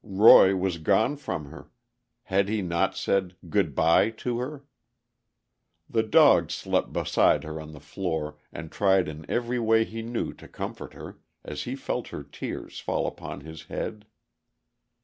Roy was gone from her—had he not said "Good by" to her? The dog slept beside her on the floor, and tried in every way he knew to comfort her, as he felt her tears fall upon his head.